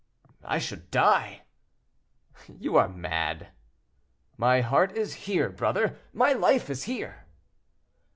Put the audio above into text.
"I should die." "You are mad." "My heart is here, brother; my life is here."